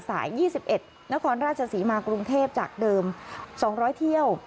สาย๒๑นครราชศรีมากรุงเทพจากเดิม๒๐๐เที่ยว